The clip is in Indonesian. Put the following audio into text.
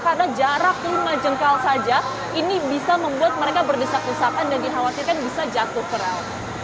karena jarak lima jengkal saja ini bisa membuat mereka berdesak desakan dan dikhawatirkan bisa jatuh ke rel